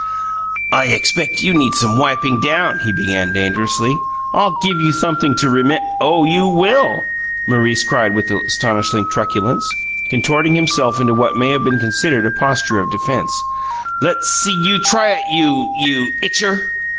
"I expect you need some wiping down," he began dangerously. "I'll give you sumpthing to remem " "Oh, you will!" Maurice cried with astonishing truculence, contorting himself into what he may have considered a posture of defense. "Let's see you try it, you you itcher!"